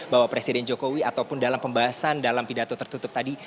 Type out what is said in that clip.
bahwa presiden jokowi ataupun dalam pembahasan dalam pidato tertutup tadi